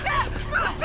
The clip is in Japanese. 待って！